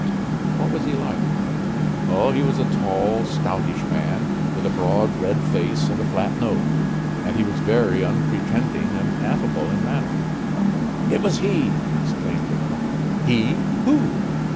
"What was he like?" "Oh, he was a tall, stoutish man, with a broad, red face, and a flat nose; and he was very unpretending and affable in manner. "It was he!" exclaimed Lecoq. "He! Who?"